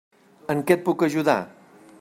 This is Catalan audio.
En què et puc ajudar?